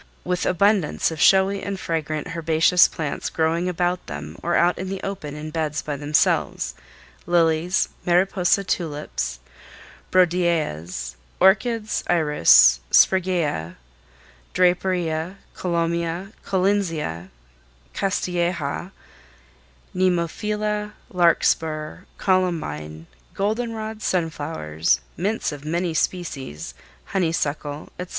with abundance of showy and fragrant herbaceous plants growing about them or out in the open in beds by themselves—lilies, Mariposa tulips, brodiaeas, orchids, iris, spraguea, draperia, collomia, collinsia, castilleja, nemophila, larkspur, columbine, goldenrods, sunflowers, mints of many species, honeysuckle, etc.